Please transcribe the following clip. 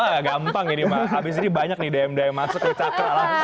oh ya gampang ini abis ini banyak nih dm dm masuk ke cakra langsung